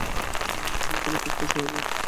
গ্রহণ করলে খুব খুশি হব।